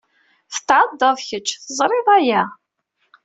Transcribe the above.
Tetɛeddaḍ kečč, teẓriḍ aya?